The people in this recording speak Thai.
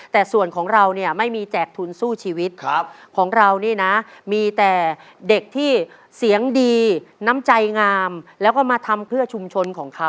แต่ส่วนของเราเนี่ยไม่มีแจกทุนสู้ชีวิตของเรานี่นะมีแต่เด็กที่เสียงดีน้ำใจงามแล้วก็มาทำเพื่อชุมชนของเขา